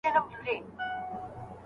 ځان باور د تمرین په پایله کي لاسته راځي.